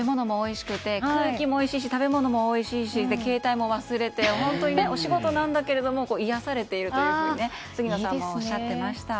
空気もおいしいし食べ物もおいしいし携帯も忘れて本当にお仕事なんだけども癒やされていると杉野さんもおっしゃってました。